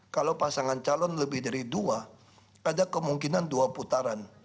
kalau pasangan calon lebih dari dua ada kemungkinan dua putaran